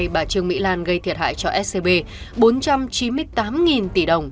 bà trương mỹ lan gây thiệt hại cho scb bốn trăm chín mươi tám tỷ đồng